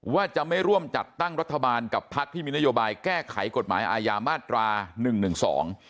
ว่าจะไม่ร่วมจัดตั้งรัฐบาลกับพักที่มีนโยบายแก้ไขกฎหมายอาญามาตราหนึ่งหนึ่งสอง